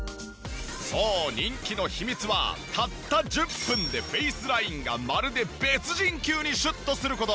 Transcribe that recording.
そう人気の秘密はたった１０分でフェイスラインがまるで別人級にシュッとする事！